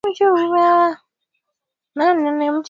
Ili kuweza kuweka idadi kubwa ya maji